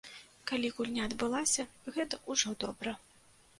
Калі гульня адбылася, гэта ўжо добра.